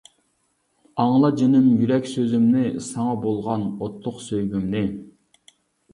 ئاڭلا جىنىم يۈرەك سۆزۈمنى، ساڭا بولغان ئوتلۇق سۆيگۈمنى.